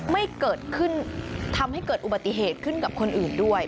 ไม่เกิดขึ้นทำให้เกิดอุบัติเหตุขึ้นกับคนอื่นด้วย